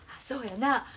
そうやな。